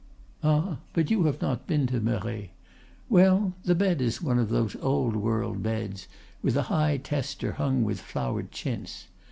Ah! but you have not been to Merret. Well, the bed is one of those old world beds, with a high tester hung with flowered chintz.